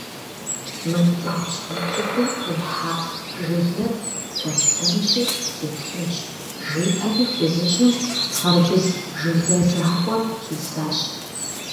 «Мы пцӀащхъуэ цӀыкӀум къихьа жылэр хэссэнщи сеплъынщ», - жиӀэри фызыжьым хъэрбыз жылэ закъуэр хисащ.